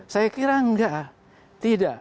saya kira tidak